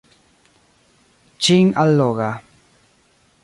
Ĉin-alloga